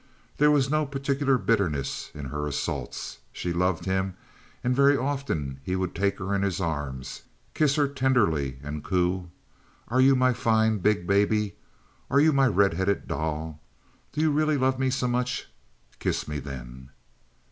There was no particular bitterness in her assaults. She loved him, and very often he would take her in his arms, kiss her tenderly, and coo: "Are you my fine big baby? Are you my red headed doll? Do you really love me so much? Kiss me, then."